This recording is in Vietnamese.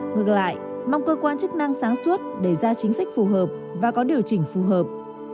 ngược lại mong cơ quan chức năng sáng suốt để ra chính sách phù hợp và có điều chỉnh phù hợp